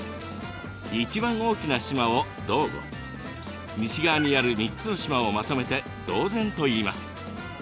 一番大きな島を島後西側にある３つの島をまとめて島前といいます。